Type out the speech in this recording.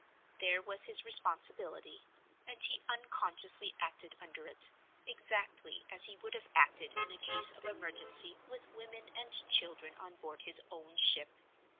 There was his responsibility, and he unconsciously acted under it, exactly as he would have acted in a case of emergency with women and children on board his own ship.